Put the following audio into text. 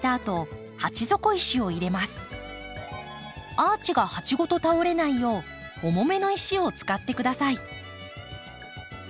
アーチが鉢ごと倒れないよう重めの石を使ってください。